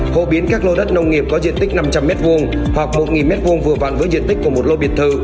phổ biến các lô đất nông nghiệp có diện tích năm trăm linh m hai hoặc một m hai vừa vặn với diện tích của một lô biệt thự